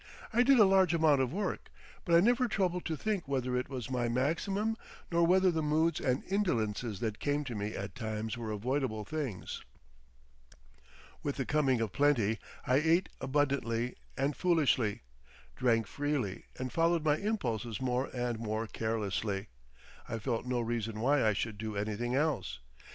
I did a large amount of work, but I never troubled to think whether it was my maximum nor whether the moods and indolences that came to me at times were avoidable things. With the coming of plenty I ate abundantly and foolishly, drank freely and followed my impulses more and more carelessly. I felt no reason why I should do anything else.